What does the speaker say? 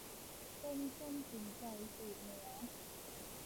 ต้มส้มกึ๋นไก่ สูตรเหนือ